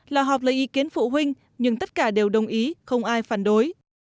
là họp lấy ý kiến phụ huynh nhưng tất cả đều đồng ý không ai phản đối